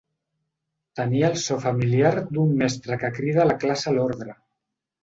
Tenia el so familiar d'un mestre que crida la classe a l'ordre.